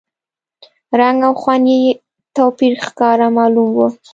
رنګ او خوند کې یې توپیر ښکاره معلوم و.